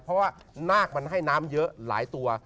เพราะว่านาคมันให้น้ำเยอะหลายตัว